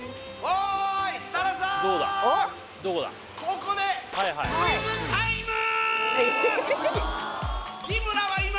ここでクイズタイムー！